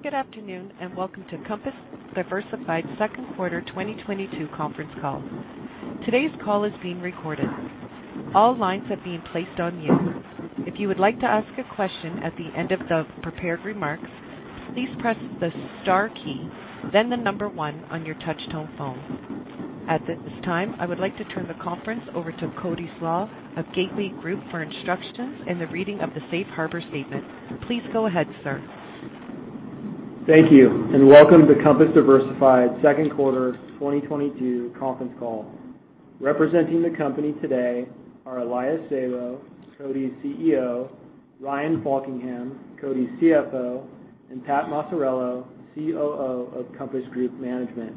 Good afternoon, and welcome to Compass Diversified's second quarter 2022 conference call. Today's call is being recorded. All lines have been placed on mute. If you would like to ask a question at the end of the prepared remarks, please press the star key, then the number one on your touch-tone phone. At this time, I would like to turn the conference over to Cody Slach of Gateway Group for instructions and the reading of the safe harbor statement. Please go ahead, Sir. Thank you, and welcome to Compass Diversified's second-quarter 2022 conference call. Representing the company today are Elias Sabo, CODI's CEO, Ryan Faulkingham, CODI's CFO, and Pat Maciariello, COO of Compass Group Management.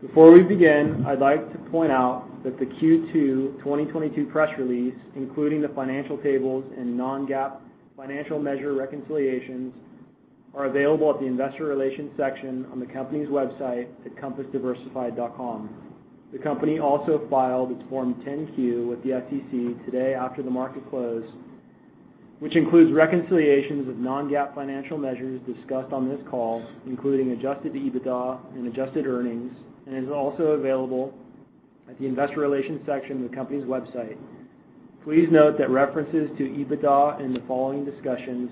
Before we begin, I'd like to point out that the Q2 2022 press release, including the financial tables and non-GAAP financial measure reconciliations, are available at the investor relations section on the company's website at compassdiversified.com. The company also filed its Form 10-Q with the SEC today after the market closed, which includes reconciliations of non-GAAP financial measures discussed on this call, including adjusted EBITDA and adjusted earnings, and is also available at the investor relations section of the company's website. Please note that references to EBITDA in the following discussions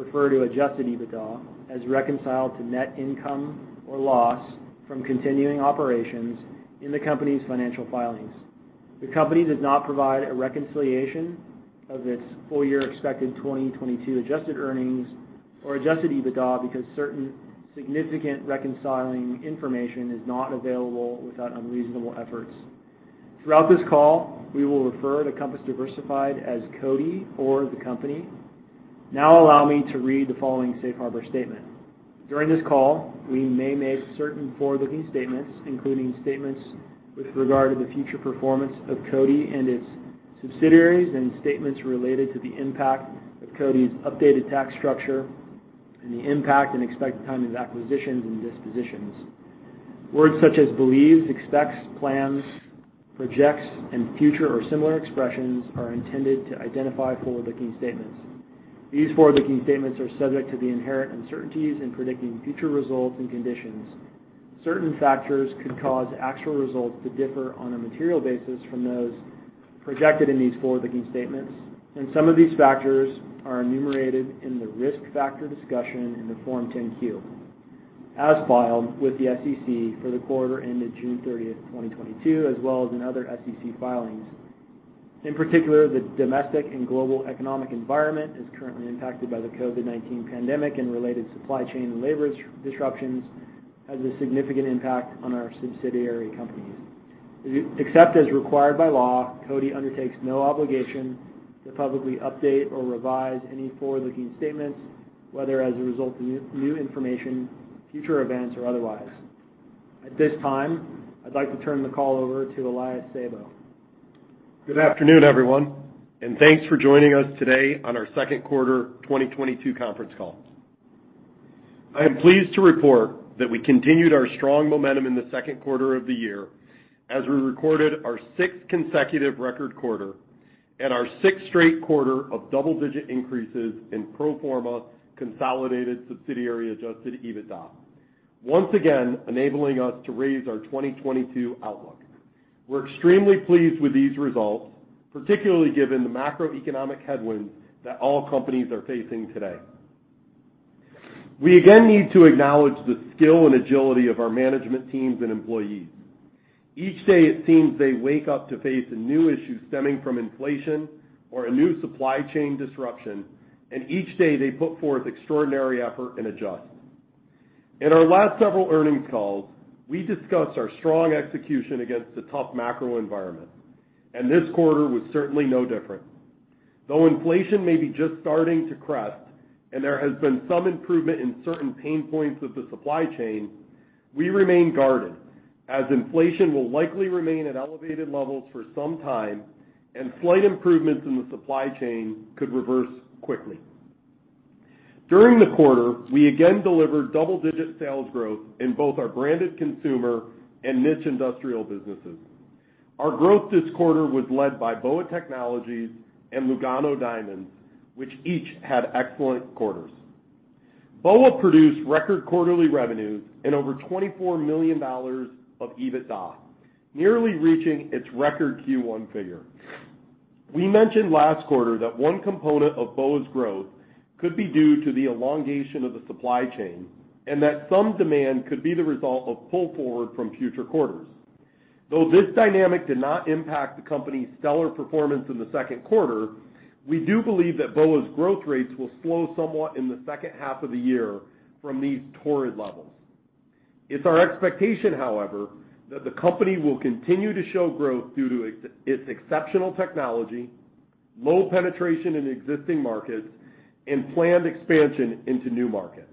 refer to adjusted EBITDA as reconciled to net income or loss from continuing operations in the company's financial filings. The company does not provide a reconciliation of its full-year expected 2022 Adjusted earnings or Adjusted EBITDA because certain significant reconciling information is not available without unreasonable efforts. Throughout this call, we will refer to Compass Diversified as CODI or the company. Now allow me to read the following safe harbor statement. During this call, we may make certain forward-looking statements, including statements with regard to the future performance of CODI and its subsidiaries and statements related to the impact of CODI's updated tax structure and the impact and expected timing of acquisitions and dispositions. Words such as believes, expects, plans, projects, and future or similar expressions are intended to identify forward-looking statements. These forward-looking statements are subject to the inherent uncertainties in predicting future results and conditions. Certain factors could cause actual results to differ on a material basis from those projected in these forward-looking statements, and some of these factors are enumerated in the risk factor discussion in the Form 10-Q, as filed with the SEC for the quarter ended June 30th, 2022, as well as in other SEC filings. In particular, the domestic and global economic environment is currently impacted by the COVID-19 pandemic and related supply chain and labor disruptions, has a significant impact on our subsidiary companies. Except as required by law, CODI undertakes no obligation to publicly update or revise any forward-looking statements, whether as a result of new information, future events, or otherwise. At this time, I'd like to turn the call over to Elias Sabo. Good afternoon, everyone, and thanks for joining us today on our second quarter 2022 conference call. I am pleased to report that we continued our strong momentum in the second quarter of the year as we recorded our sixth consecutive record quarter and our sixth straight quarter of double-digit increases in pro forma consolidated subsidiary Adjusted EBITDA, once again enabling us to raise our 2022 outlook. We're extremely pleased with these results, particularly given the macroeconomic headwinds that all companies are facing today. We again need to acknowledge the skill and agility of our management teams and employees. Each day it seems they wake up to face a new issue stemming from inflation or a new supply chain disruption, and each day they put forth extraordinary effort and adjust. In our last several earnings calls, we discussed our strong execution against a tough macro environment, and this quarter was certainly no different. Though inflation may be just starting to crest and there has been some improvement in certain pain points of the supply chain, we remain guarded, as inflation will likely remain at elevated levels for some time, and slight improvements in the supply chain could reverse quickly. During the quarter, we again delivered double-digit sales growth in both our branded consumer and niche industrial businesses. Our growth this quarter was led by BOA Technology and Lugano Diamonds, which each had excellent quarters. BOA produced record quarterly revenues and over $24 million of EBITDA, nearly reaching its record Q1 figure. We mentioned last quarter that one component of BOA's growth could be due to the elongation of the supply chain and that some demand could be the result of pull forward from future quarters. Though this dynamic did not impact the company's stellar performance in the second quarter, we do believe that BOA's growth rates will slow somewhat in the second half of the year from these torrid levels. It's our expectation, however, that the company will continue to show growth due to its exceptional technology, low penetration in existing markets, and planned expansion into new markets.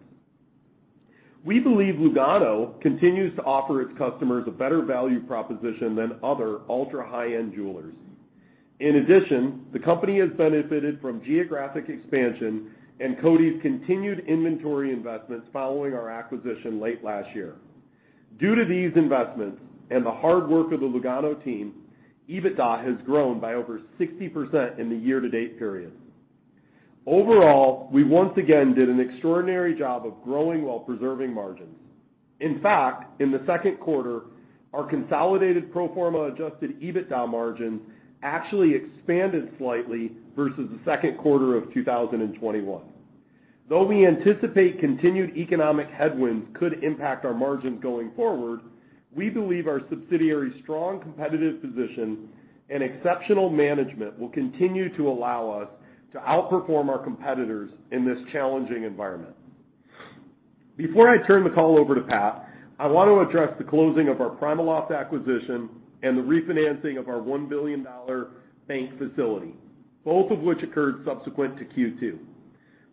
We believe Lugano continues to offer its customers a better value proposition than other ultra-high-end jewelers. In addition, the company has benefited from geographic expansion and CODI's continued inventory investments following our acquisition late last year. Due to these investments and the hard work of the Lugano team, EBITDA has grown by over 60% in the year-to-date period. Overall, we once again did an extraordinary job of growing while preserving margins. In fact, in the second quarter, our consolidated pro forma adjusted EBITDA margin actually expanded slightly versus the second quarter of 2021. Though we anticipate continued economic headwinds could impact our margins going forward, we believe our subsidiary's strong competitive position and exceptional management will continue to allow us to outperform our competitors in this challenging environment. Before I turn the call over to Pat, I want to address the closing of our PrimaLoft acquisition and the refinancing of our $1 billion bank facility, both of which occurred subsequent to Q2.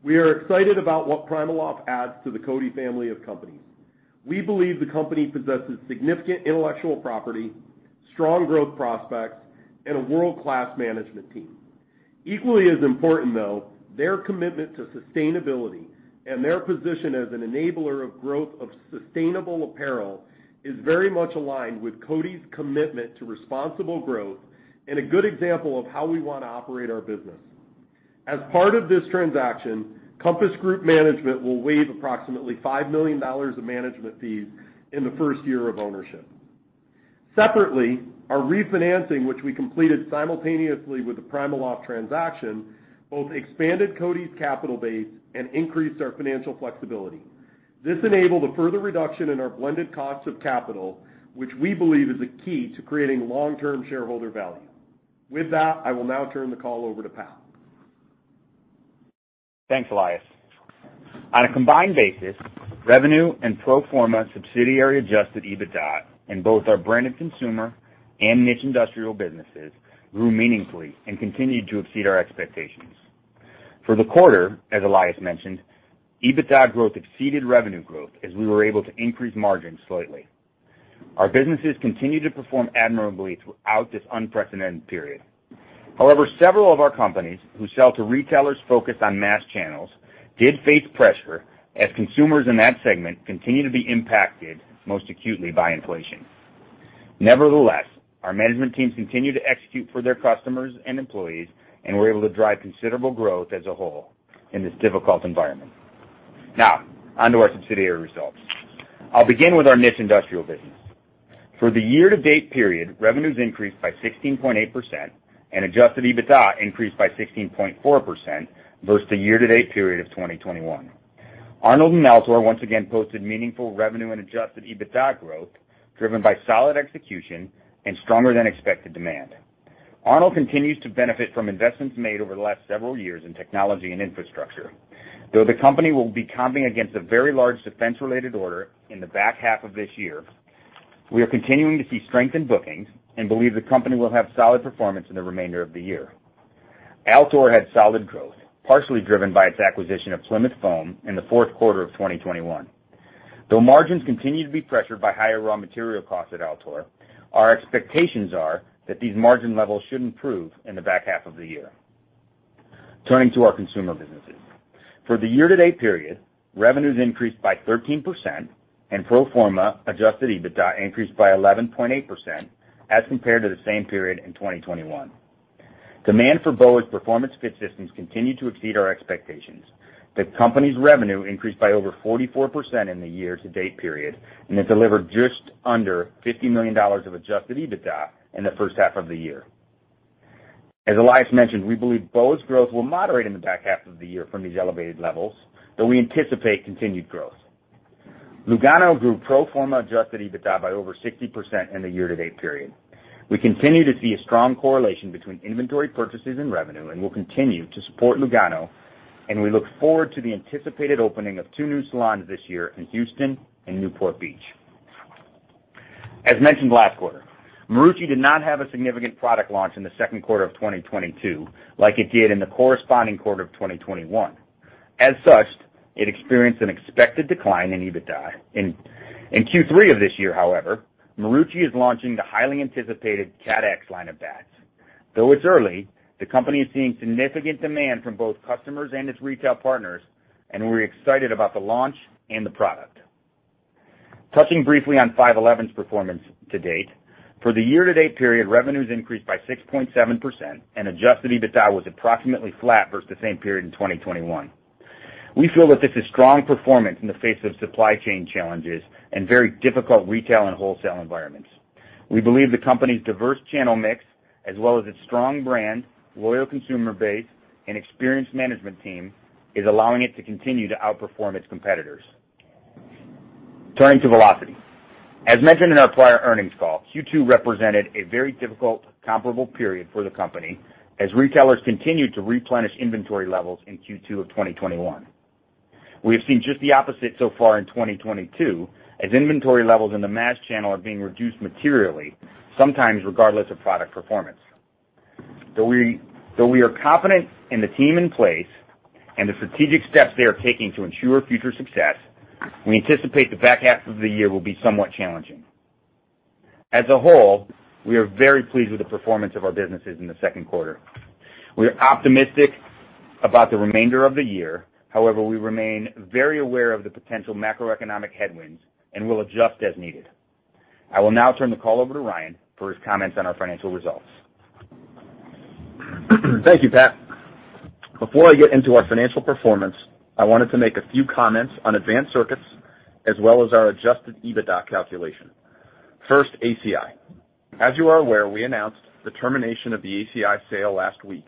We are excited about what PrimaLoft adds to the CODI family of companies. We believe the company possesses significant intellectual property, strong growth prospects, and a world-class management team. Equally as important, though, their commitment to sustainability and their position as an enabler of growth of sustainable apparel is very much aligned with CODI's commitment to responsible growth and a good example of how we wanna operate our business. As part of this transaction, Compass Group Management will waive approximately $5 million of management fees in the first year of ownership. Separately, our refinancing, which we completed simultaneously with the PrimaLoft transaction, both expanded CODI's capital base and increased our financial flexibility. This enabled a further reduction in our blended cost of capital, which we believe is a key to creating long-term shareholder value. With that, I will now turn the call over to Pat. Thanks, Elias. On a combined basis, revenue and pro forma subsidiary Adjusted EBITDA in both our branded consumer and niche industrial businesses grew meaningfully and continued to exceed our expectations. For the quarter, as Elias mentioned, EBITDA growth exceeded revenue growth as we were able to increase margins slightly. Our businesses continued to perform admirably throughout this unprecedented period. However, several of our companies who sell to retailers focused on mass channels did face pressure as consumers in that segment continued to be impacted most acutely by inflation. Nevertheless, our management teams continued to execute for their customers and employees and were able to drive considerable growth as a whole in this difficult environment. Now, on to our subsidiary results. I'll begin with our niche industrial business. For the year-to-date period, revenues increased by 16.8%, and adjusted EBITDA increased by 16.4% versus the year-to-date period of 2021. Arnold and Altor once again posted meaningful revenue and adjusted EBITDA growth, driven by solid execution and stronger than expected demand. Arnold continues to benefit from investments made over the last several years in technology and infrastructure. Though the company will be comping against a very large defense-related order in the back half of this year, we are continuing to see strength in bookings and believe the company will have solid performance in the remainder of the year. Altor had solid growth, partially driven by its acquisition of Plymouth Foam in the fourth quarter of 2021. Though margins continue to be pressured by higher raw material costs at Altor, our expectations are that these margin levels should improve in the back half of the year. Turning to our consumer businesses. For the year-to-date period, revenues increased by 13% and pro forma adjusted EBITDA increased by 11.8% as compared to the same period in 2021. Demand for BOA's performance fit systems continued to exceed our expectations. The company's revenue increased by over 44% in the year-to-date period and it delivered just under $50 million of adjusted EBITDA in the first half of the year. As Elias mentioned, we believe BOA's growth will moderate in the back half of the year from these elevated levels, though we anticipate continued growth. Lugano grew pro forma adjusted EBITDA by over 60% in the year-to-date period. We continue to see a strong correlation between inventory purchases and revenue, and we'll continue to support Lugano, and we look forward to the anticipated opening of two new salons this year in Houston and Newport Beach. As mentioned last quarter, Marucci did not have a significant product launch in the second quarter of 2022 like it did in the corresponding quarter of 2021. As such, it experienced an expected decline in EBITDA. In Q3 of this year, however, Marucci is launching the highly anticipated CATX line of bats. Though it's early, the company is seeing significant demand from both customers and its retail partners, and we're excited about the launch and the product. Touching briefly on 5.11's performance to date. For the year-to-date period, revenues increased by 6.7%, and adjusted EBITDA was approximately flat versus the same period in 2021. We feel that this is strong performance in the face of supply chain challenges and very difficult retail and wholesale environments. We believe the company's diverse channel mix as well as its strong brand, loyal consumer base, and experienced management team is allowing it to continue to outperform its competitors. Turning to Velocity. As mentioned in our prior earnings call, Q2 represented a very difficult comparable period for the company as retailers continued to replenish inventory levels in Q2 of 2021. We have seen just the opposite so far in 2022 as inventory levels in the mass channel are being reduced materially, sometimes regardless of product performance. Though we are confident in the team in place and the strategic steps they are taking to ensure future success, we anticipate the back half of the year will be somewhat challenging. As a whole, we are very pleased with the performance of our businesses in the second quarter. We are optimistic about the remainder of the year. However, we remain very aware of the potential macroeconomic headwinds and will adjust as needed. I will now turn the call over to Ryan for his comments on our financial results. Thank you, Pat. Before I get into our financial performance, I wanted to make a few comments on Advanced Circuits as well as our Adjusted EBITDA calculation. First, ACI. As you are aware, we announced the termination of the ACI sale last week.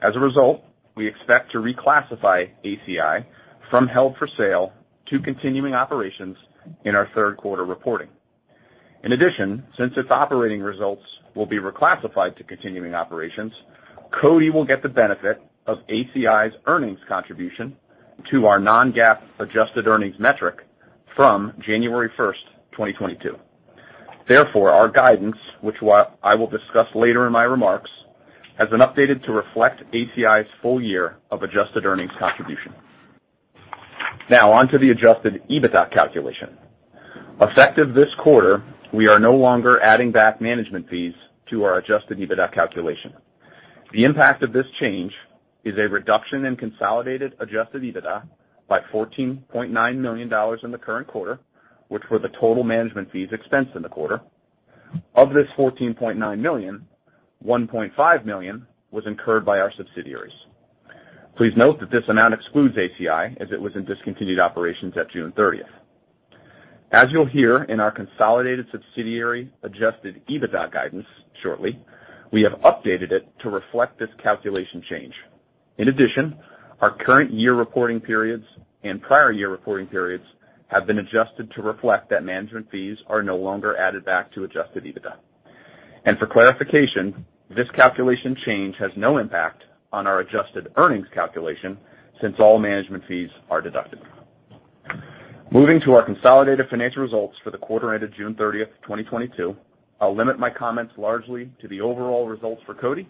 As a result, we expect to reclassify ACI from held for sale to continuing operations in our third quarter reporting. In addition, since its operating results will be reclassified to continuing operations, Cody will get the benefit of ACI's earnings contribution to our non-GAAP adjusted earnings metric from January 1, 2022. Therefore, our guidance, which I will discuss later in my remarks, has been updated to reflect ACI's full year of adjusted earnings contribution. Now on to the Adjusted EBITDA calculation. Effective this quarter, we are no longer adding back management fees to our Adjusted EBITDA calculation. The impact of this change is a reduction in consolidated Adjusted EBITDA by $14.9 million in the current quarter, which were the total management fees expensed in the quarter. Of this $14.9 million, $1.5 million was incurred by our subsidiaries. Please note that this amount excludes ACI as it was in discontinued operations at June thirtieth. As you'll hear in our consolidated subsidiary Adjusted EBITDA guidance shortly, we have updated it to reflect this calculation change. In addition, our current year reporting periods and prior year reporting periods have been adjusted to reflect that management fees are no longer added back to Adjusted EBITDA. For clarification, this calculation change has no impact on our Adjusted earnings calculation since all management fees are deducted. Moving to our consolidated financial results for the quarter ended June 30, 2022, I'll limit my comments largely to the overall results for CODI,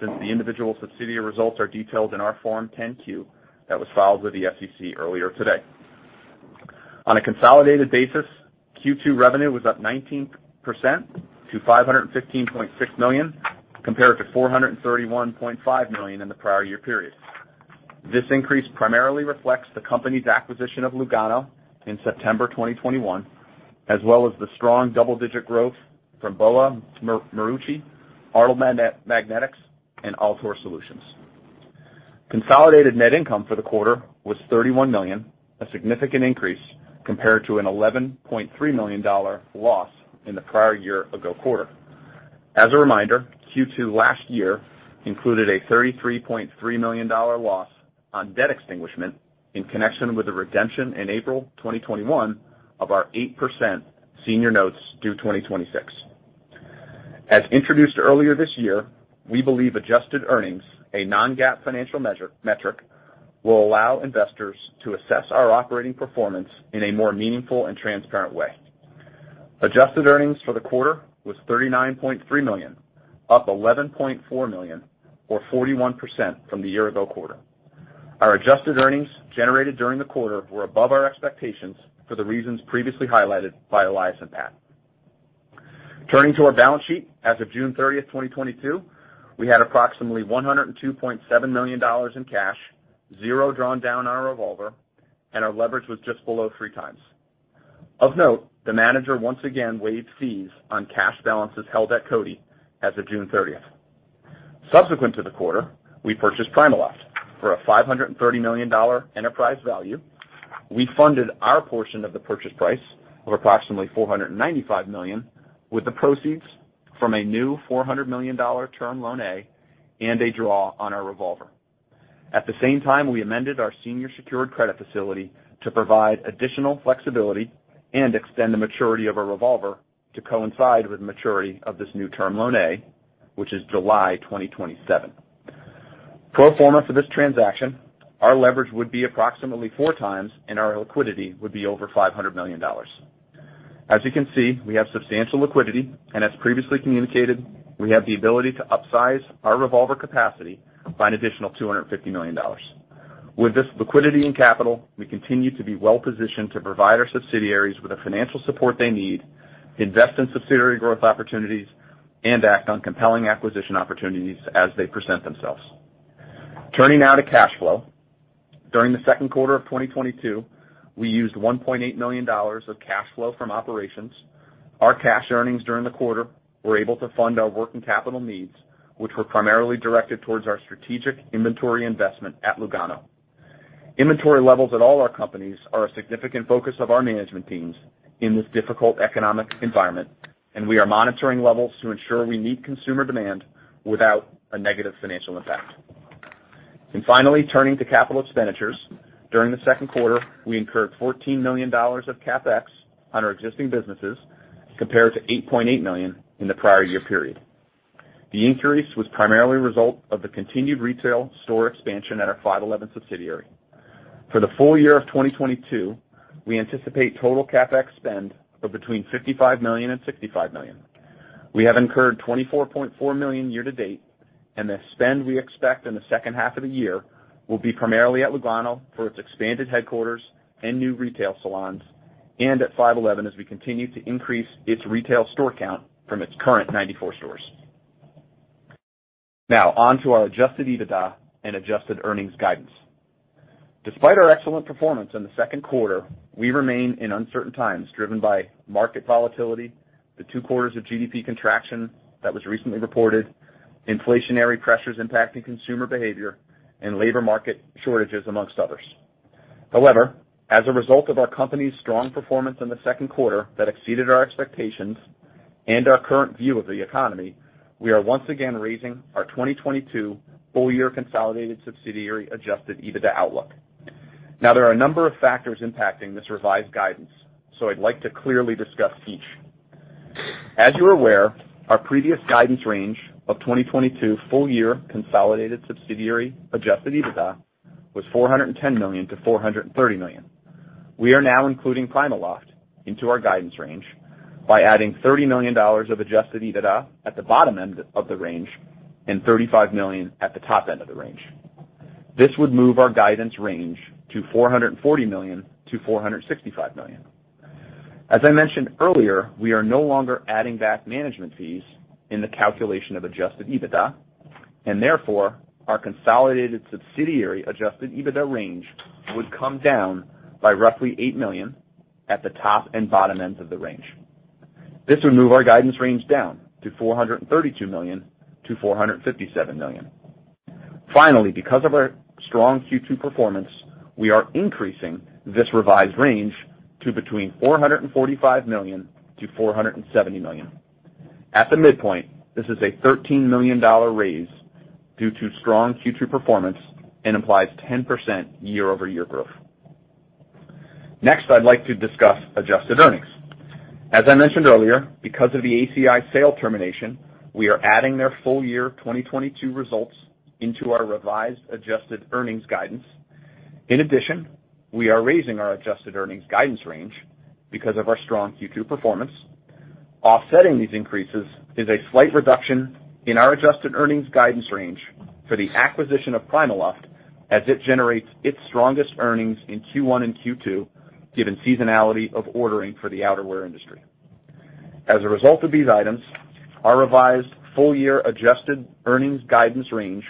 since the individual subsidiary results are detailed in our Form 10-Q that was filed with the SEC earlier today. On a consolidated basis, Q2 revenue was up 19% to $515.6 million, compared to $431.5 million in the prior-year period. This increase primarily reflects the company's acquisition of Lugano in September 2021, as well as the strong double-digit growth from BOA, Marucci, Arnold Magnetics, and Altor Solutions. Consolidated net income for the quarter was $31 million, a significant increase compared to an $11.3 million loss in the prior-year quarter. As a reminder, Q2 last year included a $33.3 million loss on debt extinguishment in connection with the redemption in April 2021 of our 8% senior notes due 2026. As introduced earlier this year, we believe adjusted earnings, a non-GAAP financial measure, metric, will allow investors to assess our operating performance in a more meaningful and transparent way. Adjusted earnings for the quarter was $39.3 million, up $11.4 million, or 41% from the year ago quarter. Our adjusted earnings generated during the quarter were above our expectations for the reasons previously highlighted by Elias and Pat. Turning to our balance sheet. As of June 30, 2022, we had approximately $102.7 million in cash, 0 drawn down on our revolver, and our leverage was just below 3x. Of note, the manager once again waived fees on cash balances held at CODI as of June 30. Subsequent to the quarter, we purchased PrimaLoft for a $530 million enterprise value. We funded our portion of the purchase price of approximately $495 million with the proceeds from a new $400 million Term Loan A and a draw on our revolver. At the same time, we amended our senior secured credit facility to provide additional flexibility and extend the maturity of a revolver to coincide with maturity of this new Term Loan A, which is July 2027. Pro forma for this transaction, our leverage would be approximately 4x and our liquidity would be over $500 million. As you can see, we have substantial liquidity, and as previously communicated, we have the ability to upsize our revolver capacity by an additional $250 million. With this liquidity and capital, we continue to be well-positioned to provide our subsidiaries with the financial support they need, invest in subsidiary growth opportunities, and act on compelling acquisition opportunities as they present themselves. Turning now to cash flow. During the second quarter of 2022, we used $1.8 million of cash flow from operations. Our cash earnings during the quarter were able to fund our working capital needs, which were primarily directed towards our strategic inventory investment at Lugano. Inventory levels at all our companies are a significant focus of our management teams in this difficult economic environment, and we are monitoring levels to ensure we meet consumer demand without a negative financial impact. Finally, turning to capital expenditures. During the second quarter, we incurred $14 million of CapEx on our existing businesses compared to $8.8 million in the prior year period. The increase was primarily a result of the continued retail store expansion at our 5.11 subsidiary. For the full year of 2022, we anticipate total CapEx spend of between $55 million and $65 million. We have incurred $24.4 million year to date, and the spend we expect in the second half of the year will be primarily at Lugano for its expanded headquarters and new retail salons and at 5.11 as we continue to increase its retail store count from its current 94 stores. Now on to our Adjusted EBITDA and adjusted earnings guidance. Despite our excellent performance in the second quarter, we remain in uncertain times driven by market volatility, the two quarters of GDP contraction that was recently reported, inflationary pressures impacting consumer behavior and labor market shortages, amongst others. However, as a result of our company's strong performance in the second quarter that exceeded our expectations and our current view of the economy, we are once again raising our 2022 full-year consolidated subsidiary Adjusted EBITDA outlook. Now there are a number of factors impacting this revised guidance, so I'd like to clearly discuss each. As you are aware, our previous guidance range of 2022 full-year consolidated subsidiary Adjusted EBITDA was $410 million-$430 million. We are now including PrimaLoft into our guidance range by adding $30 million of adjusted EBITDA at the bottom end of the range and $35 million at the top end of the range. This would move our guidance range to $440 million-$465 million. As I mentioned earlier, we are no longer adding back management fees in the calculation of adjusted EBITDA, and therefore, our consolidated subsidiary adjusted EBITDA range would come down by roughly $8 million at the top and bottom ends of the range. This would move our guidance range down to $432 million-$457 million. Finally, because of our strong Q2 performance, we are increasing this revised range to between $445 million-$470 million. At the midpoint, this is a $13 million raise due to strong Q2 performance and implies 10% year-over-year growth. Next, I'd like to discuss adjusted earnings. As I mentioned earlier, because of the ACI sale termination, we are adding their full year 2022 results into our revised adjusted earnings guidance. In addition, we are raising our adjusted earnings guidance range because of our strong Q2 performance. Offsetting these increases is a slight reduction in our adjusted earnings guidance range for the acquisition of PrimaLoft as it generates its strongest earnings in Q1 and Q2, given seasonality of ordering for the outerwear industry. As a result of these items, our revised full-year adjusted earnings guidance range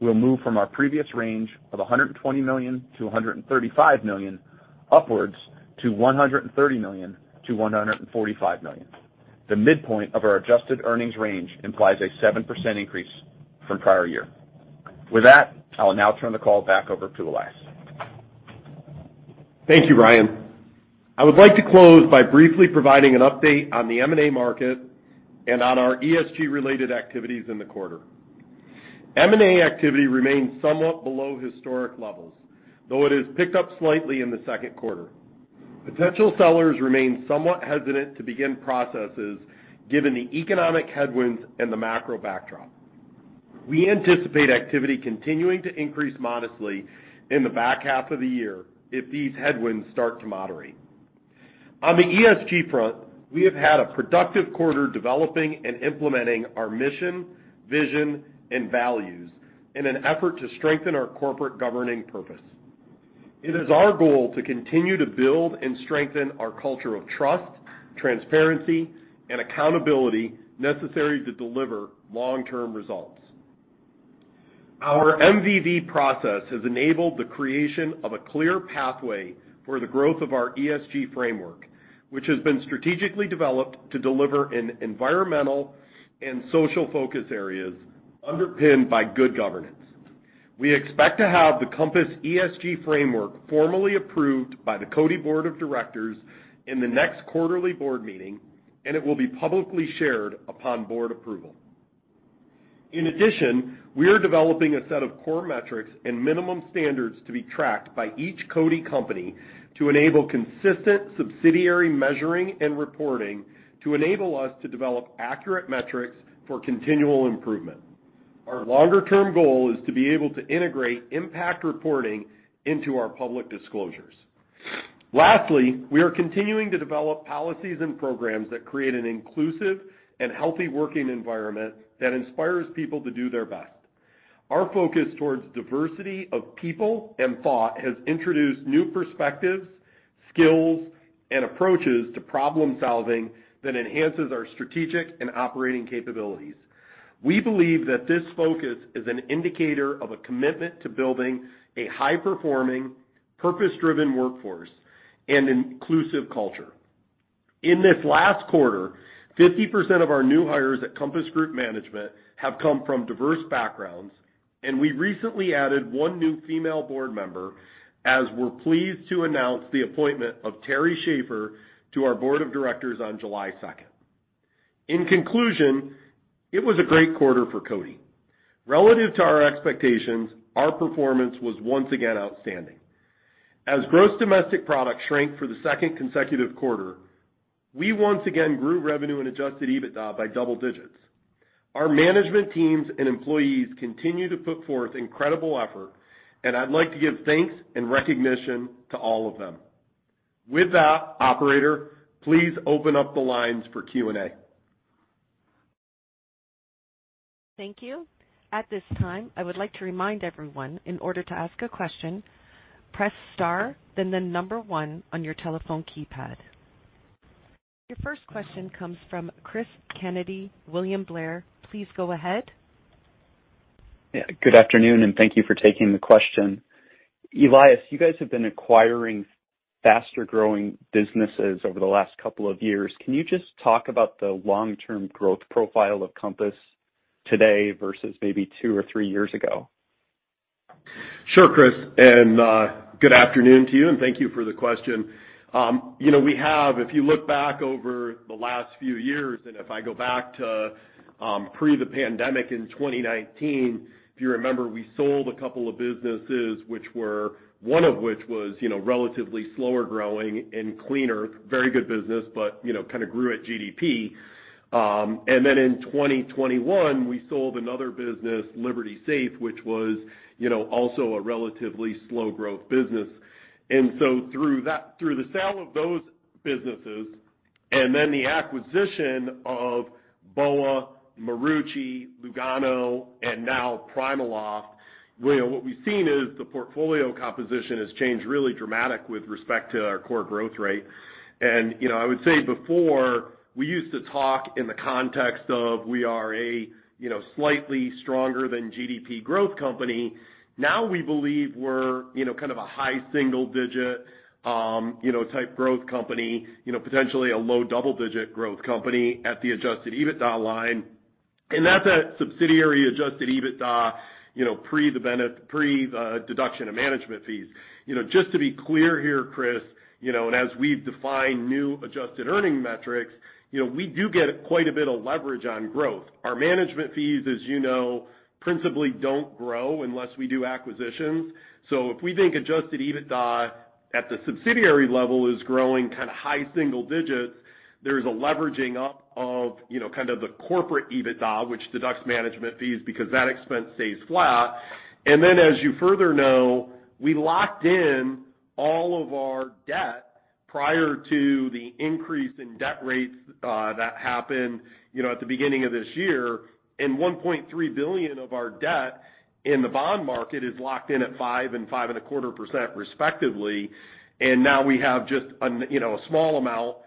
will move from our previous range of $120 million-$135 million, upwards to $130 million-$145 million. The midpoint of our adjusted earnings range implies a 7% increase from prior year. With that, I will now turn the call back over to Elias. Thank you, Ryan. I would like to close by briefly providing an update on the M&A market and on our ESG related activities in the quarter. M&A activity remains somewhat below historic levels, though it has picked up slightly in the second quarter. Potential sellers remain somewhat hesitant to begin processes given the economic headwinds and the macro backdrop. We anticipate activity continuing to increase modestly in the back half of the year if these headwinds start to moderate. On the ESG front, we have had a productive quarter developing and implementing our mission, vision, and values in an effort to strengthen our corporate governing purpose. It is our goal to continue to build and strengthen our culture of trust, transparency, and accountability necessary to deliver long-term results. Our MVV process has enabled the creation of a clear pathway for the growth of our ESG framework, which has been strategically developed to deliver in environmental and social focus areas underpinned by good governance. We expect to have the Compass ESG framework formally approved by the CODI board of directors in the next quarterly board meeting, and it will be publicly shared upon board approval. In addition, we are developing a set of core metrics and minimum standards to be tracked by each CODI company to enable consistent subsidiary measuring and reporting to enable us to develop accurate metrics for continual improvement. Our longer-term goal is to be able to integrate impact reporting into our public disclosures. Lastly, we are continuing to develop policies and programs that create an inclusive and healthy working environment that inspires people to do their best. Our focus towards diversity of people and thought has introduced new perspectives, skills, and approaches to problem-solving that enhances our strategic and operating capabilities. We believe that this focus is an indicator of a commitment to building a high-performing, purpose-driven workforce and inclusive culture. In this last quarter, 50% of our new hires at Compass Group Management have come from diverse backgrounds, and we recently added one new female board member, as we're pleased to announce the appointment of Teri Shaffer to our board of directors on July second. In conclusion, it was a great quarter for CODI. Relative to our expectations, our performance was once again outstanding. As gross domestic product shrank for the second consecutive quarter, we once again grew revenue and Adjusted EBITDA by double digits. Our management teams and employees continue to put forth incredible effort, and I'd like to give thanks and recognition to all of them. With that, operator, please open up the lines for Q&A. Thank you. At this time, I would like to remind everyone in order to ask a question, press star, then the number one on your telephone keypad. Your first question comes from Cris Kennedy, William Blair. Please go ahead. Yeah, good afternoon, and thank you for taking the question. Elias, you guys have been acquiring faster-growing businesses over the last couple of years. Can you just talk about the long-term growth profile of Compass today versus maybe two or three years ago? Sure, Cris, good afternoon to you, and thank you for the question. You know, we have—if you look back over the last few years, and if I go back to pre the pandemic in 2019, if you remember, we sold a couple of businesses, one of which was, you know, relatively slower-growing and cleaner. Very good business, but, you know, kinda grew at GDP. Then in 2021, we sold another business, Liberty Safe, which was, you know, also a relatively slow growth business. Through the sale of those businesses and then the acquisition of BOA, Marucci, Lugano, and now PrimaLoft, you know, what we've seen is the portfolio composition has changed really dramatic with respect to our core growth rate. You know, I would say before, we used to talk in the context of we are a, you know, slightly stronger than GDP growth company. Now we believe we're, you know, kind of a high single digit, you know, type growth company, you know, potentially a low double-digit growth company at the adjusted EBITDA line. That's a subsidiary adjusted EBITDA, you know, pre the deduction of management fees. You know, just to be clear here, Cris, you know, as we've defined new adjusted earnings metrics, you know, we do get quite a bit of leverage on growth. Our management fees, as you know, principally don't grow unless we do acquisitions. If we think Adjusted EBITDA at the subsidiary level is growing kinda high single digits%, there's a leveraging up of, you know, kind of the corporate EBITDA, which deducts management fees because that expense stays flat. As you further know, we locked in all of our debt prior to the increase in debt rates that happened, you know, at the beginning of this year. $1.3 billion of our debt in the bond market is locked in at 5% and 5.25%, respectively. Now we have just, you know, a small amount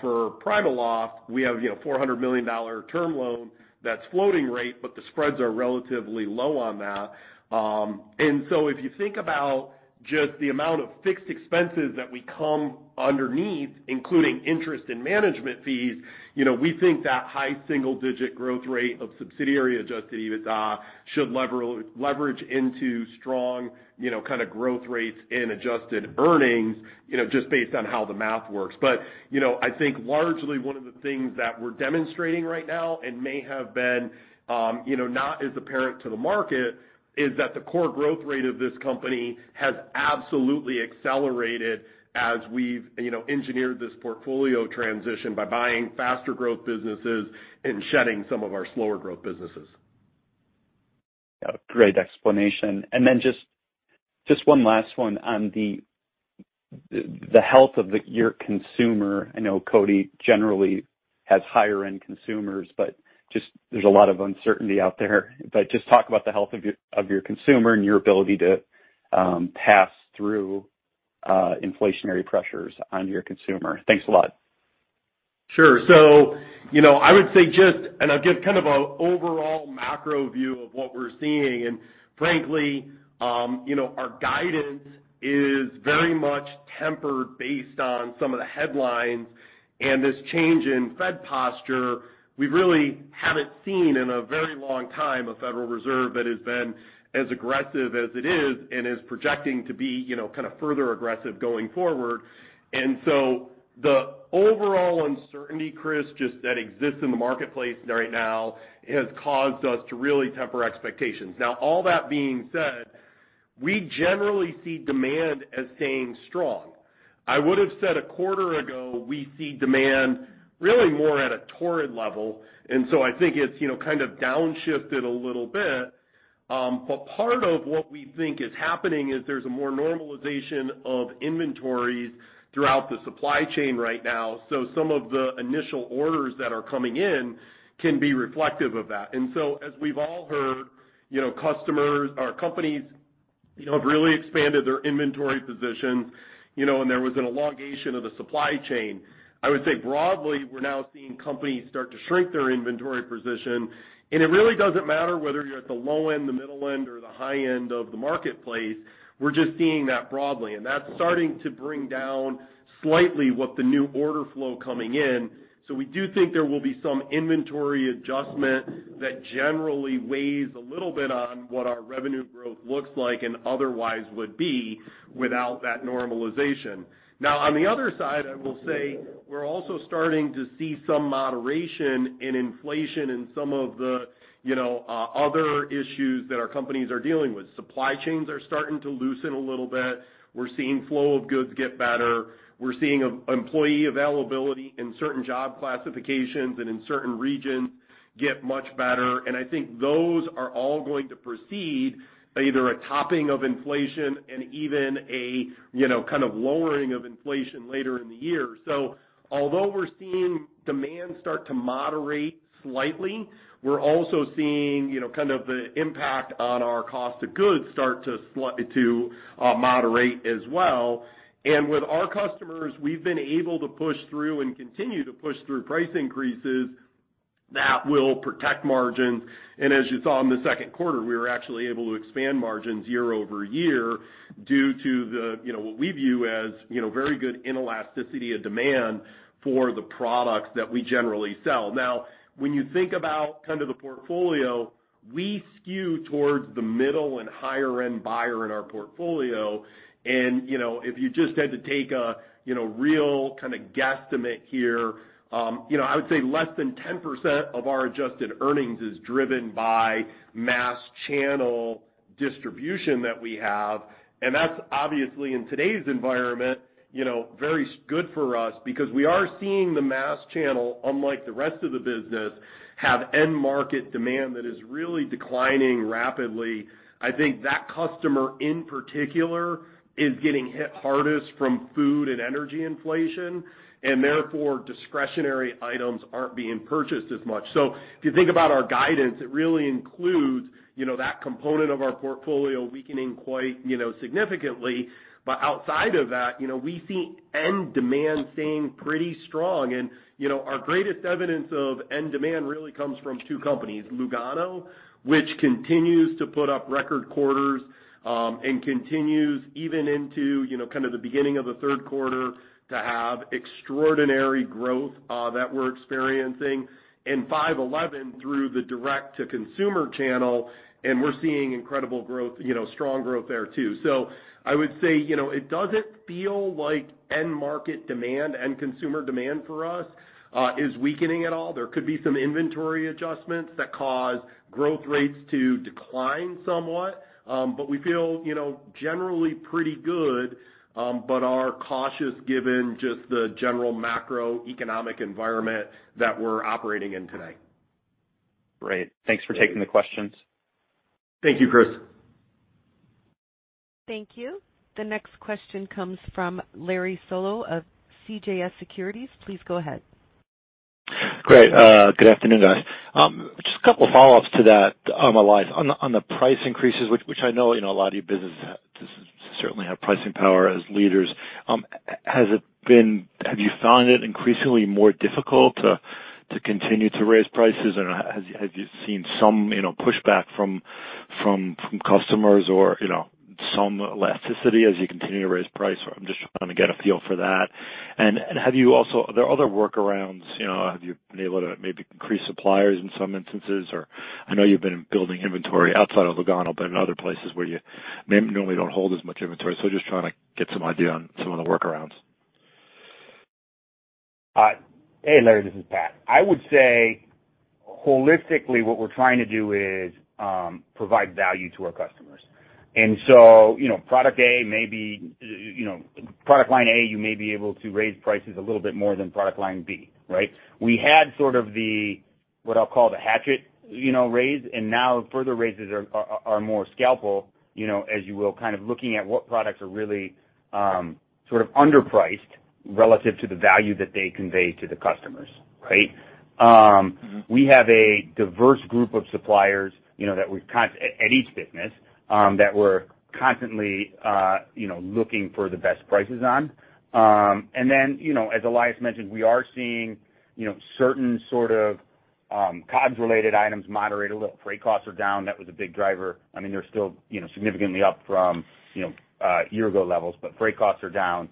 for PrimaLoft. We have, you know, $400 million term loan that's floating rate, but the spreads are relatively low on that. If you think about just the amount of fixed expenses that we come underneath, including interest and management fees, you know, we think that high single-digit growth rate of subsidiary Adjusted EBITDA should leverage into strong, you know, kinda growth rates and adjusted earnings, you know, just based on how the math works. But, you know, I think largely one of the things that we're demonstrating right now and may have been, you know, not as apparent to the market, is that the core growth rate of this company has absolutely accelerated as we've engineered this portfolio transition by buying faster growth businesses and shedding some of our slower growth businesses. Yeah, great explanation. Then just one last one on the health of your consumer. I know Cody generally has higher end consumers, but just there's a lot of uncertainty out there. Just talk about the health of your consumer and your ability to pass through inflationary pressures on your consumer. Thanks a lot. Sure. You know, I would say I'll give kind of a overall macro view of what we're seeing. Frankly, you know, our guidance is very much tempered based on some of the headlines and this change in Fed posture. We really haven't seen in a very long time a Federal Reserve that has been as aggressive as it is and is projecting to be, you know, kinda further aggressive going forward. The overall uncertainty, Cris, just that exists in the marketplace right now has caused us to really temper expectations. Now all that being said, we generally see demand as staying strong. I would have said a quarter ago we see demand really more at a torrid level, and so I think it's, you know, kind of downshifted a little bit. Part of what we think is happening is there's more normalization of inventories throughout the supply chain right now. Some of the initial orders that are coming in can be reflective of that. As we've all heard, you know, customers or companies, you know, have really expanded their inventory positions, you know, and there was an elongation of the supply chain. I would say broadly, we're now seeing companies start to shrink their inventory position, and it really doesn't matter whether you're at the low end, the middle end, or the high end of the marketplace. We're just seeing that broadly, and that's starting to bring down slightly what the new order flow coming in. We do think there will be some inventory adjustment that generally weighs a little bit on what our revenue growth looks like and otherwise would be without that normalization. Now, on the other side, I will say we're also starting to see some moderation in inflation in some of the you know, other issues that our companies are dealing with, supply chains are starting to loosen a little bit. We're seeing flow of goods get better. We're seeing employee availability in certain job classifications and in certain regions get much better. I think those are all going to proceed either a topping of inflation and even a you know, kind of lowering of inflation later in the year. Although we're seeing demand start to moderate slightly, we're also seeing, you know, kind of the impact on our cost of goods start to moderate as well. With our customers, we've been able to push through and continue to push through price increases that will protect margins. As you saw in the second quarter, we were actually able to expand margins year-over-year due to the what we view as, you know, very good inelasticity of demand for the products that we generally sell. Now, when you think about kind of the portfolio, we skew towards the middle and higher end buyer in our portfolio. You know, if you just had to take a real kind of guesstimate here, you know, I would say less than 10% of our Adjusted earnings is driven by mass channel distribution that we have. That's obviously, in today's environment, you know, very good for us because we are seeing the mass channel, unlike the rest of the business, have end market demand that is really declining rapidly. I think that customer in particular is getting hit hardest from food and energy inflation, and therefore discretionary items aren't being purchased as much. If you think about our guidance, it really includes, you know, that component of our portfolio weakening quite, you know, significantly. Outside of that, you know, we see end demand staying pretty strong. You know, our greatest evidence of end demand really comes from two companies, Lugano, which continues to put up record quarters, and continues even into, you know, kind of the beginning of the third quarter to have extraordinary growth that we're experiencing. 5.11 through the direct-to-consumer channel, and we're seeing incredible growth, you know, strong growth there too. I would say, you know, it doesn't feel like end market demand, end consumer demand for us is weakening at all. There could be some inventory adjustments that cause growth rates to decline somewhat. We feel, you know, generally pretty good, but are cautious given just the general macroeconomic environment that we're operating in today. Great. Thanks for taking the questions. Thank you, Cris. Thank you. The next question comes from Larry Solow of CJS Securities. Please go ahead. Great. Good afternoon, guys. Just a couple follow-ups to that, Elias. On the price increases, which I know a lot of your businesses certainly have pricing power as leaders. Have you found it increasingly more difficult to continue to raise prices? Or have you seen some pushback from customers or some elasticity as you continue to raise price? I'm just trying to get a feel for that. Have you also—Are there other workarounds? You know, have you been able to maybe increase suppliers in some instances? Or I know you've been building inventory outside of Lugano, but in other places where you normally don't hold as much inventory. So just trying to get some idea on some of the workarounds. Hey, Larry, this is Pat. I would say holistically what we're trying to do is provide value to our customers. You know, product A may be, you know, product line A, you may be able to raise prices a little bit more than product line B, right? We had sort of the, what I'll call the hatchet, you know, raise, and now further raises are more scalpel, you know, as you will, kind of looking at what products are really sort of underpriced relative to the value that they convey to the customers, right? We have a diverse group of suppliers, you know, at each business that we're constantly you know looking for the best prices on. You know, as Elias mentioned, we are seeing, you know, certain sort of, COGS-related items moderate a little. Freight costs are down. That was a big driver. I mean, they're still, you know, significantly up from, you know, year ago levels, but freight costs are down.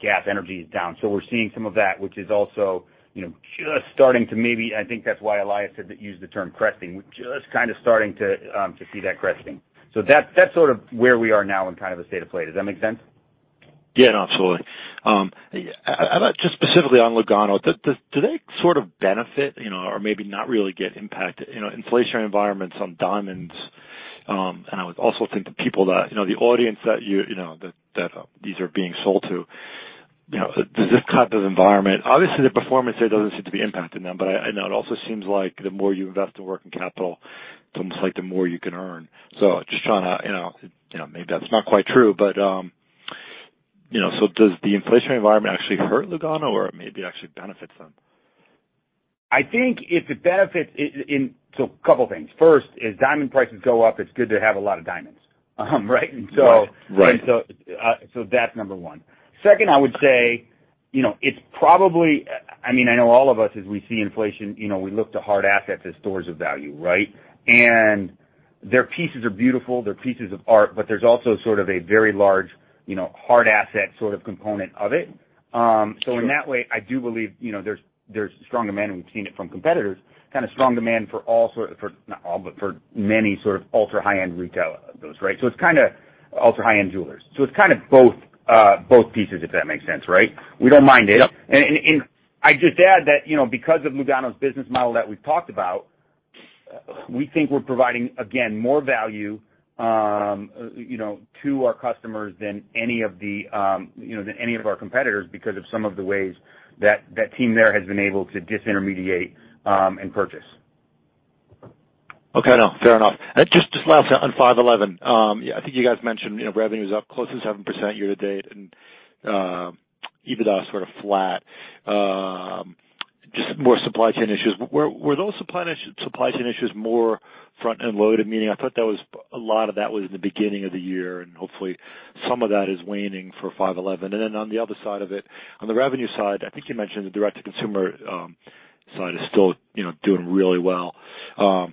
Gas energy is down. We're seeing some of that, which is also, you know, just starting to maybe—I think that's why Elias said that, used the term cresting. We're just kind of starting to see that cresting. That's sort of where we are now in kind of a state of play. Does that make sense? Yeah, no, absolutely. Just specifically on Lugano, do they sort of benefit, you know, or maybe not really get impacted, you know, inflationary environments on diamonds? I would also think the people that, you know, the audience that you know, that these are being sold to, you know, does this type of environment, obviously, the performance there doesn't seem to be impacting them, but I know it also seems like the more you invest in working capital, it's almost like the more you can earn. Just trying to, you know, maybe that's not quite true, but, you know, so does the inflationary environment actually hurt Lugano or maybe it actually benefits them? I think it benefits. A couple things. First, as diamond prices go up, it's good to have a lot of diamonds. Right? Right. Right. So, that's number one. Second, I would say, you know, it's probably. I mean, I know all of us as we see inflation, you know, we look to hard assets as stores of value, right? And their pieces are beautiful. They're pieces of art. But there's also sort of a very large, you know, hard asset sort of component of it. In that way, I do believe, you know, there's strong demand, and we've seen it from competitors, kind of strong demand for, not all, but for many sort of ultrahigh-end retail of those, right? It's kinda Ultra high-end jewelers. It's kind of both pieces, if that makes sense, right? We don't mind it. I'd just add that, you know, because of Lugano's business model that we've talked about, we think we're providing, again, more value, you know, to our customers than any of the, you know, than any of our competitors because of some of the ways that that team there has been able to disintermediate, and purchase. Okay. No, fair enough. Just lastly on 5.11, I think you guys mentioned, you know, revenue is up close to 7% year to date and, EBITDA is sort of flat. Just more supply chain issues. Were those supply chain issues more front-end loaded? Meaning I thought that was a lot of that in the beginning of the year, and hopefully some of that is waning for 5.11. Then on the other side of it, on the revenue side, I think you mentioned the direct-to-consumer side is still, you know, doing really well. How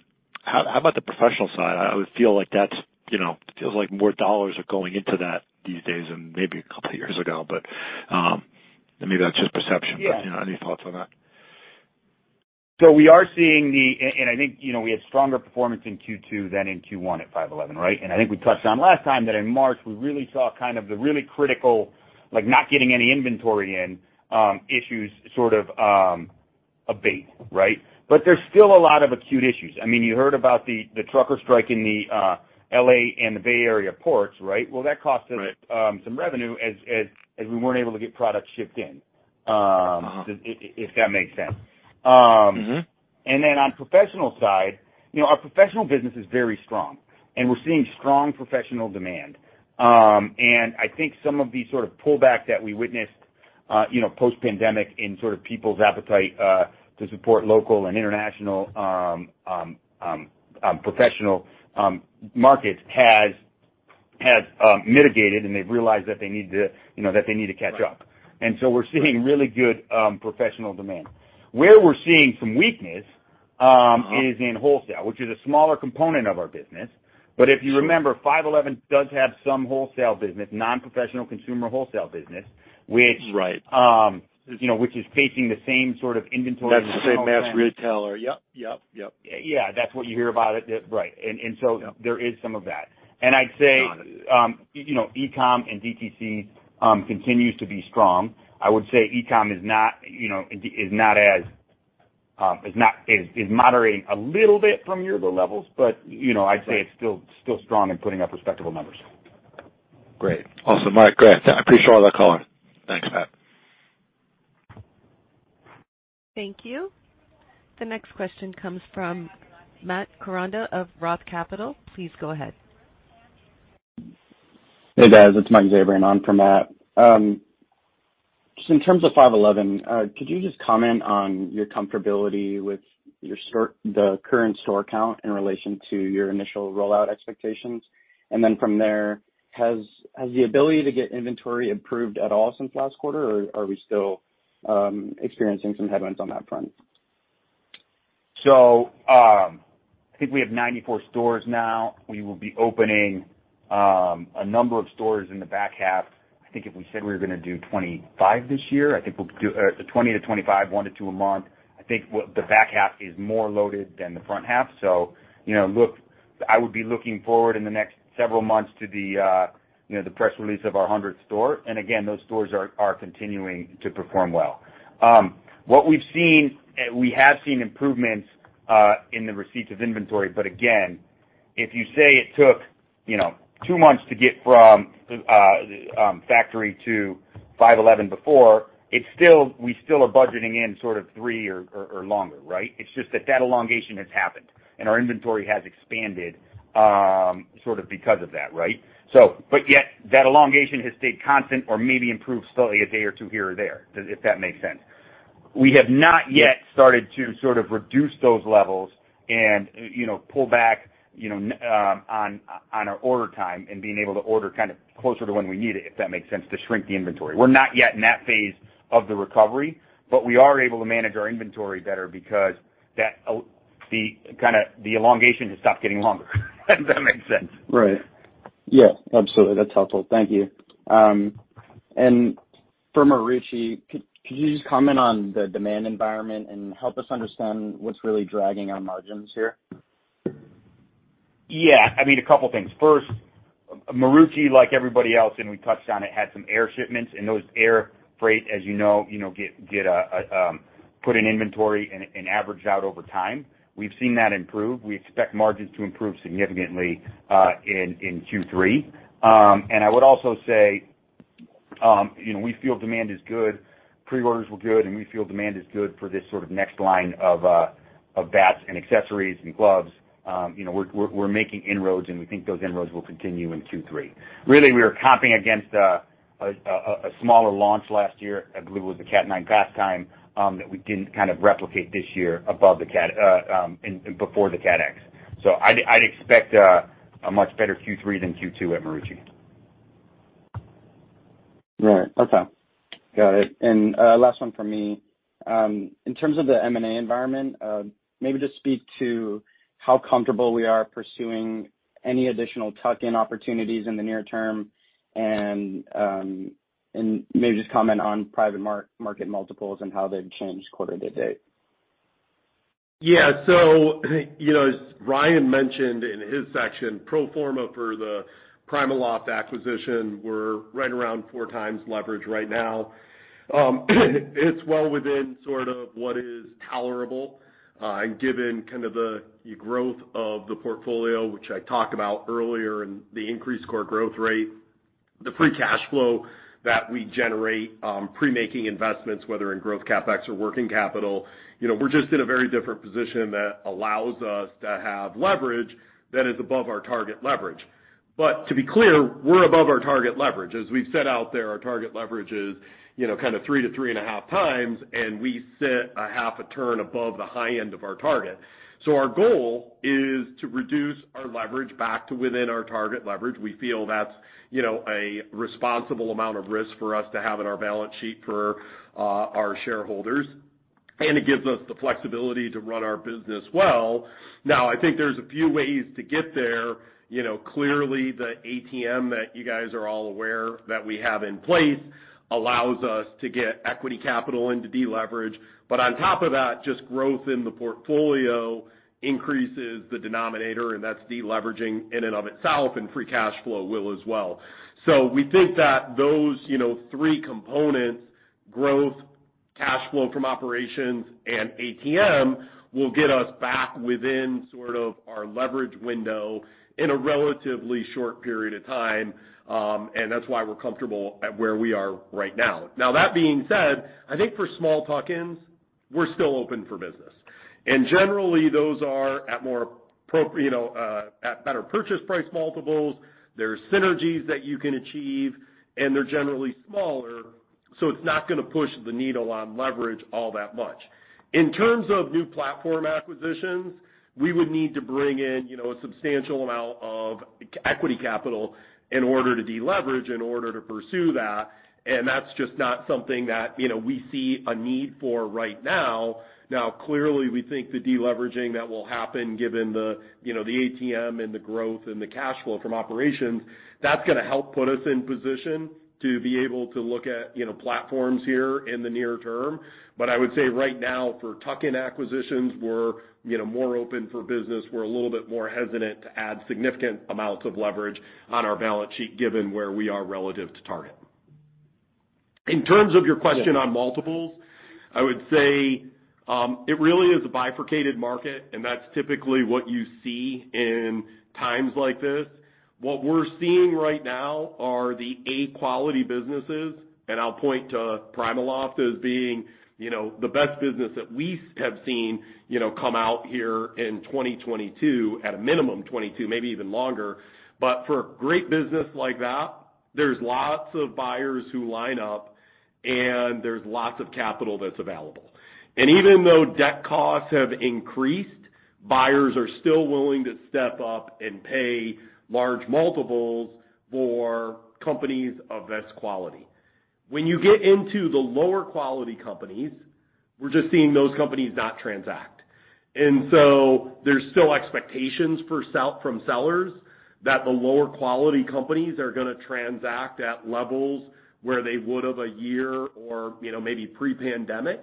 about the professional side? I would feel like that's, you know, it feels like more dollars are going into that these days and maybe a couple years ago, but, maybe that's just perception. Yeah. You know, any thoughts on that? We are seeing. I think, you know, we had stronger performance in Q2 than in Q1 at 5.11, right? I think we touched on last time that in March, we really saw kind of the really critical, like not getting any inventory in, issues sort of abate, right? There's still a lot of acute issues. I mean, you heard about the trucker strike in the L.A. and the Bay Area ports, right? Right. Well, that cost us some revenue as we weren't able to get products shipped in. Uh-huh. If that makes sense. Mm-hmm. On professional side, you know, our professional business is very strong, and we're seeing strong professional demand. I think some of the sort of pullback that we witnessed, you know, post-pandemic in sort of people's appetite to support local and international professional markets has mitigated, and they've realized that they need to catch up. Right. We're seeing really good professional demand. Where we're seeing some weakness, is in wholesale, which is a smaller component of our business. If you remember, 5.11 does have some wholesale business, non-professional consumer wholesale business. Right. You know, which is facing the same sort of inventory. That's the same as retailer. Yep. Yep. Yep. Yeah, that's what you hear about it. Right. There is some of that. I'd say. Got it. You know, e-com and DTC continues to be strong. I would say e-com is moderating a little bit from year-over-year levels, but you know, I'd say it's still strong and putting up respectable numbers. Great. Awesome. Mike, great. I appreciate all the color. Thanks, Pat. Thank you. The next question comes from Matt Koranda of ROTH Capital. Please go ahead. Hey, guys. It's Mike Zabran on for Matt. Just in terms of 5.11, could you just comment on your comfortability with your store, the current store count in relation to your initial rollout expectations? Then from there, has the ability to get inventory improved at all since last quarter, or are we still experiencing some headwinds on that front? I think we have 94 stores now. We will be opening a number of stores in the back half. I think if we said we were gonna do 25 this year, I think we'll do 20-25, one to two a month. I think what the back half is more loaded than the front half. You know, look, I would be looking forward in the next several months to the, you know, the press release of our 100th store. Again, those stores are continuing to perform well. We've seen improvements in the receipts of inventory. But again, if you say it took, you know, two months to get from factory to 5.11 before, it's still. We still are budgeting in sort of three or longer, right? It's just that elongation has happened, and our inventory has expanded, sort of because of that, right? Yet that elongation has stayed constant or maybe improved slightly a day or two here or there, if that makes sense. We have not yet started to sort of reduce those levels and, you know, pull back, you know, on our order time and being able to order kind of closer to when we need it, if that makes sense, to shrink the inventory. We're not yet in that phase of the recovery, but we are able to manage our inventory better because that the elongation has stopped getting longer if that makes sense. Right. Yeah, absolutely. That's helpful. Thank you. For Marucci, could you just comment on the demand environment and help us understand what's really dragging on margins here? Yeah. I mean, a couple things. First, Marucci, like everybody else, and we touched on it, had some air shipments, and those air freight, as you know, get put in inventory and average out over time. We've seen that improve. We expect margins to improve significantly in Q3. I would also say, you know, we feel demand is good. Pre-orders were good, and we feel demand is good for this sort of next line of bats and accessories and gloves. You know, we're making inroads, and we think those inroads will continue in Q3. Really, we are comping against a smaller launch last year. I believe it was the CAT9 Pastime that we didn't kind of replicate this year above the CAT, before the CATX.I'd expect a much better Q3 than Q2 at Marucci. Right. Okay. Got it. Last one from me. In terms of the M&A environment, maybe just speak to how comfortable we are pursuing any additional tuck-in opportunities in the near term. Maybe just comment on private market multiples and how they've changed quarter to date. Yeah. You know, as Ryan mentioned in his section, pro forma for the PrimaLoft acquisition, we're right around four times leverage right now. It's well within sort of what is tolerable, and given kind of the growth of the portfolio, which I talked about earlier, and the increased core growth rate, the free cash flow that we generate, pre-making investments, whether in growth CapEx or working capital, you know, we're just in a very different position that allows us to have leverage that is above our target leverage. To be clear, we're above our target leverage. As we've set out there, our target leverage is, you know, kind of 3x-3.5x, and we sit a half a turn above the high end of our target. Our goal is to reduce our leverage back to within our target leverage. We feel that's, you know, a responsible amount of risk for us to have in our balance sheet for our shareholders, and it gives us the flexibility to run our business well. Now, I think there's a few ways to get there. You know, clearly, the ATM that you guys are all aware that we have in place allows us to get equity capital in to deleverage. But on top of that, just growth in the portfolio increases the denominator, and that's deleveraging in and of itself, and free cash flow will as well. So we think that those, you know, three components, growth, cash flow from operations, and ATM will get us back within sort of our leverage window in a relatively short period of time, and that's why we're comfortable at where we are right now. Now, that being said, I think for small tuck-ins, we're still open for business. Generally, those are you know, at better purchase price multiples. There's synergies that you can achieve, and they're generally smaller, so it's not gonna push the needle on leverage all that much. In terms of new platform acquisitions, we would need to bring in, you know, a substantial amount of equity capital in order to deleverage, in order to pursue that, and that's just not something that, you know, we see a need for right now. Now, clearly, we think the deleveraging that will happen given the, you know, the ATM and the growth and the cash flow from operations, that's gonna help put us in position to be able to look at, you know, platforms here in the near term. I would say right now, for tuck-in acquisitions, we're, you know, more open for business. We're a little bit more hesitant to add significant amounts of leverage on our balance sheet given where we are relative to target. In terms of your question on multiples, I would say, it really is a bifurcated market, and that's typically what you see in times like this. What we're seeing right now are the A quality businesses, and I'll point to PrimaLoft as being, you know, the best business that we have seen, you know, come out here in 2022, at a minimum 2022, maybe even longer. For a great business like that, there's lots of buyers who line up, and there's lots of capital that's available. Even though debt costs have increased, buyers are still willing to step up and pay large multiples for companies of best quality. When you get into the lower quality companies, we're just seeing those companies not transact. There's still expectations for from sellers that the lower quality companies are gonna transact at levels where they would have a year or, you know, maybe pre-pandemic,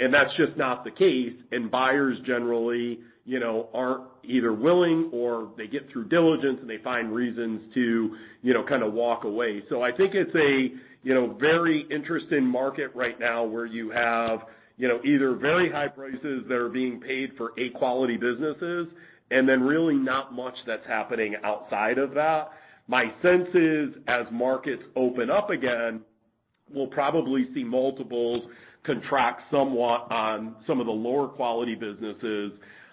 and that's just not the case. Buyers generally, you know, aren't either willing or they get through diligence, and they find reasons to, you know, kind of walk away. I think it's a, you know, very interesting market right now where you have either very high prices that are being paid for A quality businesses and then really not much that's happening outside of that. My sense is, as markets open up again, we'll probably see multiples contract somewhat on some of the lower quality businesses,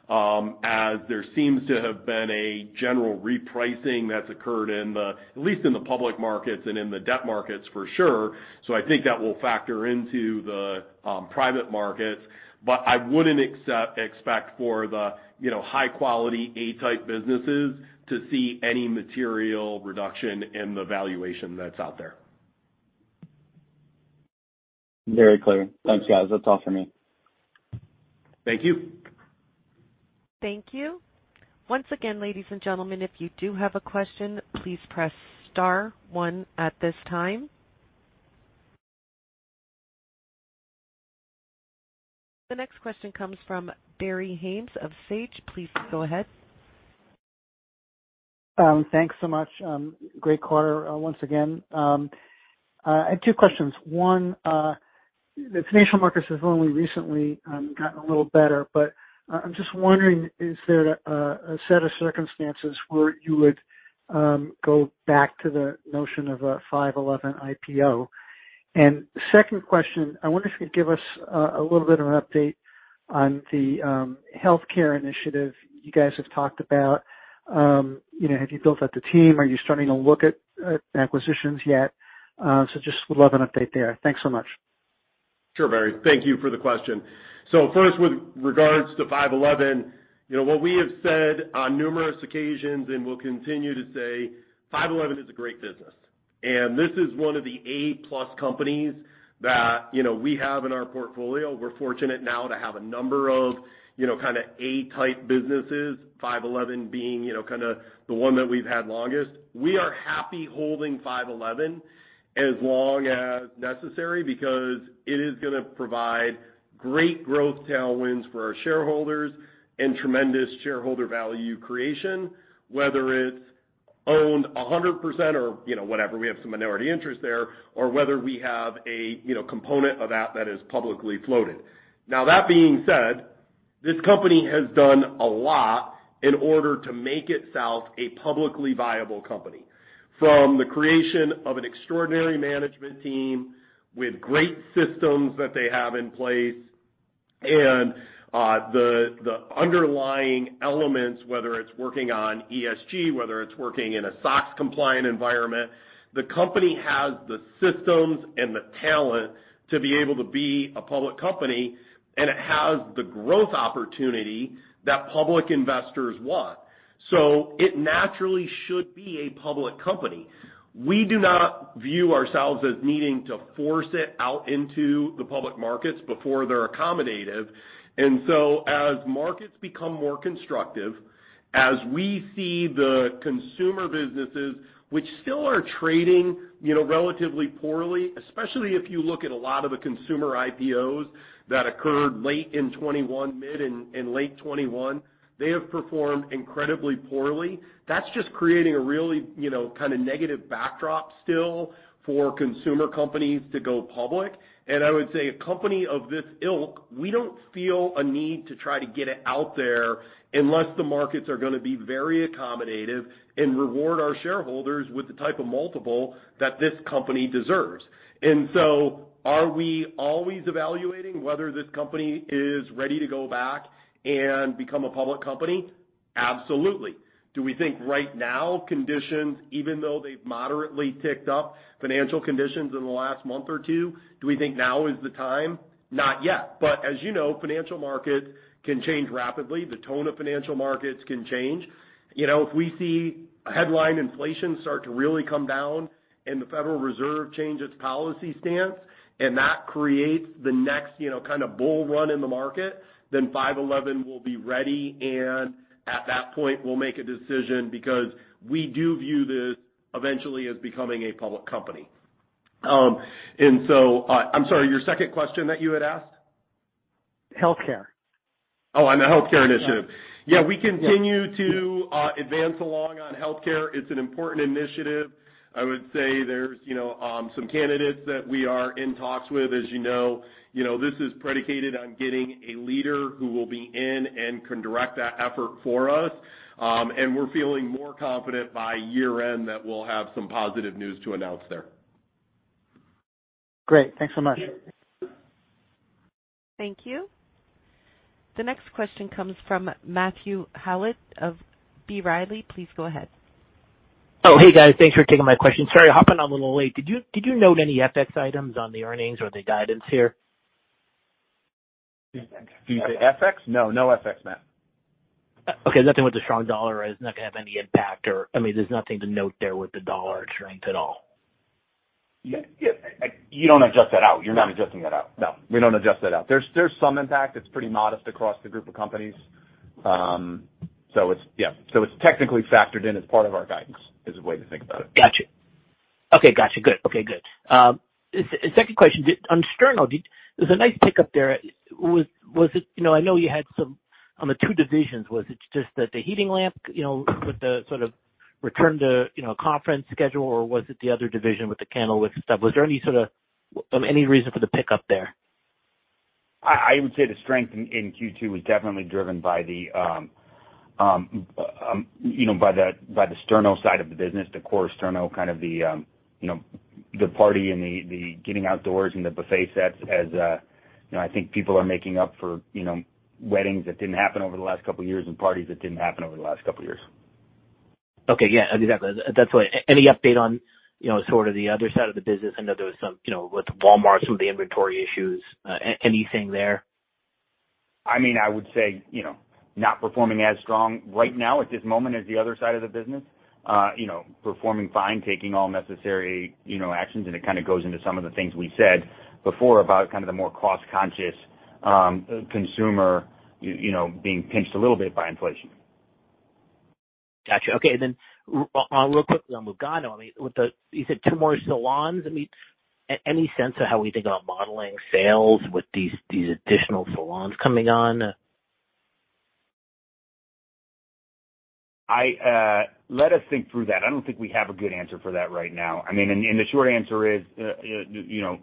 as there seems to have been a general repricing that's occurred at least in the public markets and in the debt markets for sure. I think that will factor into the private markets, but I wouldn't expect for the, you know, high-quality A-type businesses to see any material reduction in the valuation that's out there. Very clear. Thanks, guys. That's all for me. Thank you. Thank you. Once again, ladies and gentlemen, if you do have a question, please press star one at this time. The next question comes from Barry Haimes of Sage. Please go ahead. Thanks so much. Great quarter, once again. I had two questions. One, the financial markets have only recently gotten a little better, but I'm just wondering, is there a set of circumstances where you would go back to the notion of a 5.11 IPO? Second question, I wonder if you'd give us a little bit of an update on the healthcare initiative you guys have talked about. You know, have you built out the team? Are you starting to look at acquisitions yet? Just would love an update there. Thanks so much. Sure, Barry. Thank you for the question. First, with regards to 5.11, you know, what we have said on numerous occasions and will continue to say, 5.11 is a great business. This is one of the A-plus companies that, you know, we have in our portfolio. We're fortunate now to have a number of, you know, kinda A-type businesses, 5.11 being, you know, kinda the one that we've had longest. We are happy holding 5.11 as long as necessary because it is gonna provide great growth tailwinds for our shareholders and tremendous shareholder value creation, whether it's owned 100% or, you know, whatever, we have some minority interest there, or whether we have a, you know, component of that that is publicly floated. Now that being said, this company has done a lot in order to make itself a publicly viable company. From the creation of an extraordinary management team with great systems that they have in place and the underlying elements, whether it's working on ESG, whether it's working in a SOX-compliant environment, the company has the systems and the talent to be able to be a public company, and it has the growth opportunity that public investors want. It naturally should be a public company. We do not view ourselves as needing to force it out into the public markets before they're accommodative. As markets become more constructive, as we see the consumer businesses which still are trading, you know, relatively poorly, especially if you look at a lot of the consumer IPOs that occurred late in 2021, mid and late 2021, they have performed incredibly poorly. That's just creating a really, you know, kind of negative backdrop still for consumer companies to go public. I would say a company of this ilk, we don't feel a need to try to get it out there unless the markets are gonna be very accommodative and reward our shareholders with the type of multiple that this company deserves. Are we always evaluating whether this company is ready to go back and become a public company? Absolutely. Do we think right now conditions, even though they've moderately ticked up financial conditions in the last month or two, do we think now is the time? Not yet. As you know, financial markets can change rapidly. The tone of financial markets can change. You know, if we see headline inflation start to really come down and the Federal Reserve change its policy stance, and that creates the next, you know, kind of bull run in the market, then 5.11 will be ready, and at that point, we'll make a decision because we do view this eventually as becoming a public company. I'm sorry, your second question that you had asked? Healthcare. Oh, on the healthcare initiative. Yeah, we continue to advance along on healthcare. It's an important initiative. I would say there's you know some candidates that we are in talks with. As you know, this is predicated on getting a leader who will be in and can direct that effort for us. We're feeling more confident by year-end that we'll have some positive news to announce there. Great. Thanks so much. Thank you. The next question comes from Matthew Howlett of B. Riley. Please go ahead. Oh, hey, guys. Thanks for taking my question. Sorry, hopping on a little late. Did you note any FX items on the earnings or the guidance here? Did you say FX? No, no FX, Matt. Okay, nothing with the strong dollar is not gonna have any impact or, I mean, there's nothing to note there with the dollar strength at all? Yeah. You don't adjust that out. You're not adjusting that out. No, we don't adjust that out. There's some impact. It's pretty modest across the group of companies. It's technically factored in as part of our guidance, as a way to think about it. Gotcha. Okay. Gotcha. Good. Okay, good. Second question, on Sterno, there's a nice pickup there. Was it. You know, I know you had some on the two divisions. Was it just that the heating lamp, you know, with the sort of return to, you know, conference schedule, or was it the other division with the candle with stuff? Was there any sort of reason for the pickup there? I would say the strength in Q2 was definitely driven by the Sterno side of the business, the core Sterno kind of the party and the getting outdoors and the buffet sets, as you know, I think people are making up for, you know, weddings that didn't happen over the last couple of years and parties that didn't happen over the last couple of years. Okay. Yeah, exactly. That's why. Any update on, you know, sort of the other side of the business? I know there was some, you know, with Walmart, some of the inventory issues. Anything there? I mean, I would say, you know, not performing as strong right now at this moment as the other side of the business, you know, performing fine, taking all necessary, you know, actions. It kinda goes into some of the things we said before about kind of the more cost-conscious consumer, you know, being pinched a little bit by inflation. Gotcha. Okay. Real quickly on Lugano. I mean, you said two more salons. I mean, any sense of how we think about modeling sales with these additional salons coming on? Let us think through that. I don't think we have a good answer for that right now. I mean, and the short answer is, you know,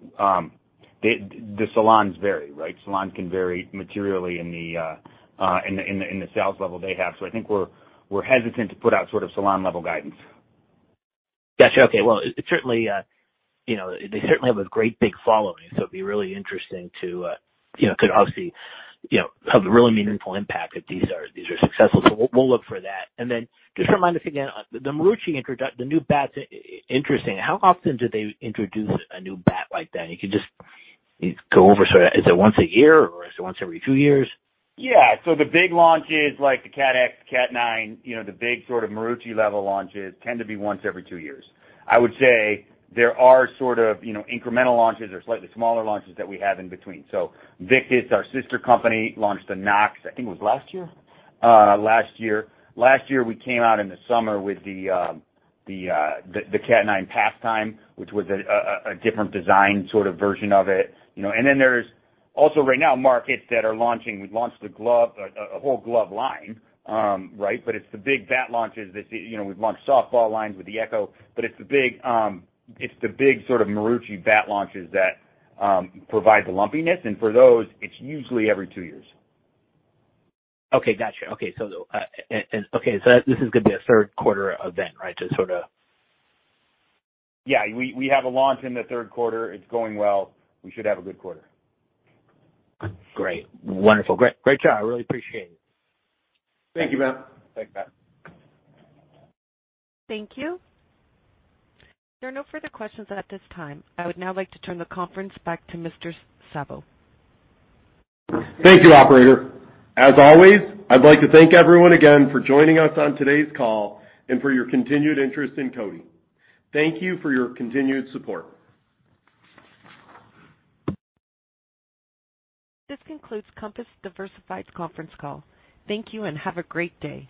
the salons vary, right? Salons can vary materially in the sales level they have. I think we're hesitant to put out sort of salon level guidance. Gotcha. Okay. Well, it certainly, you know, they certainly have a great big following, so it'd be really interesting to, you know, could obviously, you know, have a really meaningful impact if these are successful. So we'll look for that. Just remind us again, the Marucci the new bats interesting. How often do they introduce a new bat like that? You could just go over sort of, is it once a year or is it once every two years? Yeah. The big launches like the CATX, CAT9, you know, the big sort of Marucci level launches tend to be once every two years. I would say there are sort of, you know, incremental launches or slightly smaller launches that we have in between. Victus, our sister company, launched the NOX, I think it was last year. Last year, we came out in the summer with the CAT9 Pastime, which was a different design sort of version of it, you know. There are also markets that are launching right now. We launched the glove, a whole glove line, right. But it's the big bat launches that, you know, we've launched softball lines with the Echo, but it's the big sort of Marucci bat launches that provide the lumpiness. For those, it's usually every two years. Okay. Gotcha. This is gonna be a third-quarter event, right? Yeah. We have a launch in the third quarter. It's going well. We should have a good quarter. Great. Wonderful. Great. Great job. I really appreciate it. Thank you, Matt. Thank you. There are no further questions at this time. I would now like to turn the conference back to Mr. Sabo. Thank you, operator. As always, I'd like to thank everyone again for joining us on today's call and for your continued interest in CODI. Thank you for your continued support. This concludes Compass Diversified's conference call. Thank you and have a great day.